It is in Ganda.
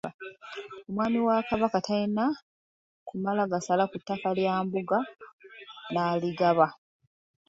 Omwami wa Kabaka talina kumala gasala ku ttaka lya mbuga n'aligaba.